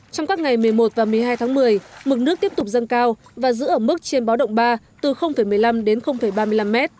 trong các ngày một mươi một và một mươi hai tháng một mươi mực nước tiếp tục dâng cao và giữ ở mức trên báo động ba từ một mươi năm đến ba mươi năm m